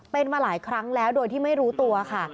เป็นมาหลายครั้งแล้วโดยที่ไม่รู้ตัวค่ะ